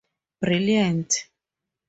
Brilliant!